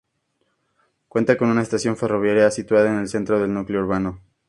Cuenta con una estación ferroviaria situada en el centro del núcleo urbano.